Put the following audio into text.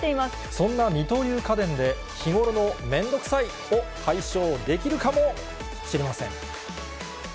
そんな二刀流家電で、日頃の面倒くさいを解消できるかもしれません。